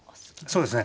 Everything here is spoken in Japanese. そうですね